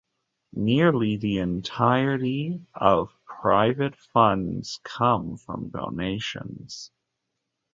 Nearly the entirety of private funds come from donations.